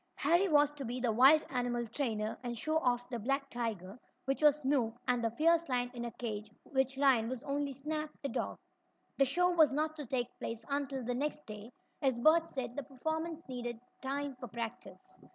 Harry was to be the wild animal trainer, and show off the black tiger, which was Snoop, and the fierce lion in a cage, which lion was only Snap, the dog. The show was not to take place until the next day, as Bert said the performers needed time for practice.